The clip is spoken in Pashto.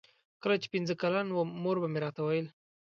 کله چې پنځه کلن وم مور به مې راته ویل.